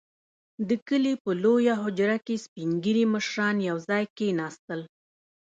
• د کلي په لويه حجره کې سپين ږيري مشران يو ځای کښېناستل.